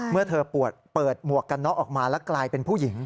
เมื่อเธอเปิดหมวกกันน็อกออกมาแล้วกลายเป็นผู้หญิง